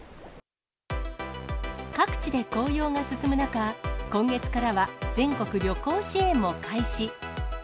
各地で紅葉が進む中、今月からは全国旅行支援も開始。